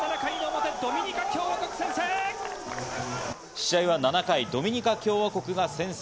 試合は７回、ドミニカ共和国が先制。